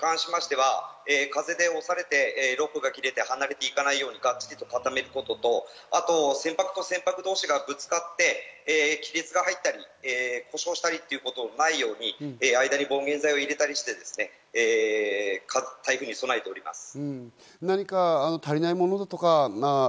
船舶に関しましては、風で押されてロックが切れて、離れていかないようにガッチリ固めることと、船舶と船舶同士がぶつかって、亀裂が入ったり故障したりということのないように間に防舷材を入れたりして、台風に備えております。